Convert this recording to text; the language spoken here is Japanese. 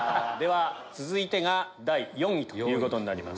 では続いてが第４位ということになります。